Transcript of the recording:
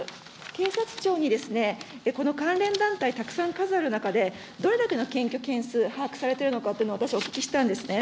警察庁にこの関連団体、たくさん数ある中で、どれだけの検挙件数、把握されているのかというのを私、お聞きしたんですね。